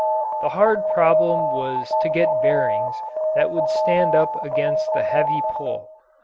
The hard problem was to get bearings that would stand up against the heavy pull.